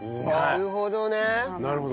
なるほどね。